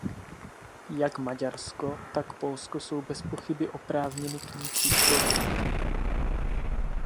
Jak Maďarsko, tak Polsko jsou bezpochyby oprávněny k ní přistoupit.